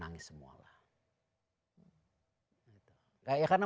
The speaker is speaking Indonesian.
jadi joining several racismanyways demikian aja bagiannya